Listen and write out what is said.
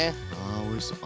あおいしそう。